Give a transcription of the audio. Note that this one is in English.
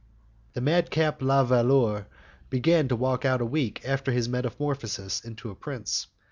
The madcap La Valeur began to walk out a week after his metamorphosis into a prince.